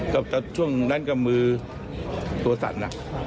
ก็ช่วงนั้นก็มือตัวสั่น